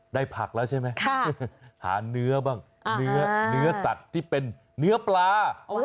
ได้ผักแล้วใช่ไหมหาเนื้อบ้างเนื้อสัตว์ที่เป็นเนื้อปลา